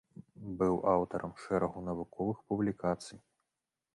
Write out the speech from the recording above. Быў аўтарам шэрагу навуковых публікацый.